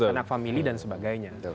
anak famili dan sebagainya